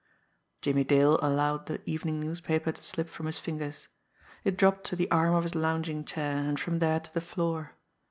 Jimmie Dale allowed the evening newspaper to slip from his fingers. It dropped to the arm of his lounging chair, and from there to the floor.